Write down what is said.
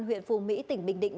huyện phù mỹ tỉnh bình định